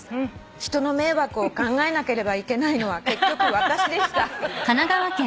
「人の迷惑を考えなければいけないのは結局私でした」